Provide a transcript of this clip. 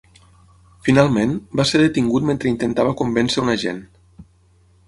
Finalment, va ser detingut mentre intentava convèncer un agent.